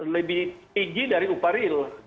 lebih tinggi dari upah real